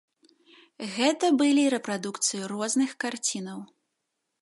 Гэта былі рэпрадукцыі розных карцінаў.